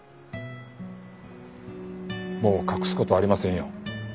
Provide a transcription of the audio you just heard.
もう隠す事はありませんよ。